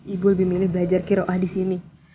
ibu lebih milih belajar kira kira di sini